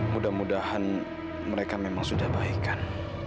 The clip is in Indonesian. mudah mudahan mereka memang sudah baikan